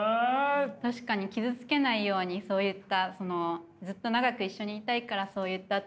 確かに傷つけないようにそう言った。